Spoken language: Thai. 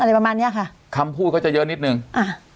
อะไรประมาณเนี้ยค่ะคำพูดเขาจะเยอะนิดนึงอ่า